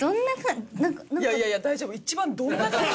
いやいや大丈夫。